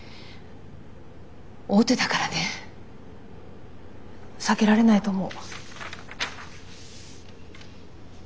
大手だからね避けられないと思う。